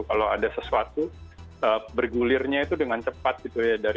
kalau ada sesuatu bergulirnya itu dengan cepat gitu ya